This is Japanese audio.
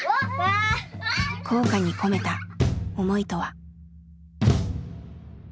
校歌に込めた思いとは。